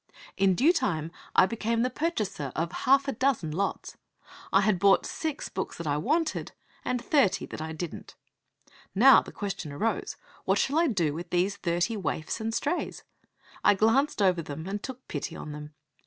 In due time I became the purchaser of half a dozen lots. I had bought six books that I wanted, and thirty that I didn't. Now the question arose: What shall I do with these thirty waifs and strays? I glanced over them and took pity on them.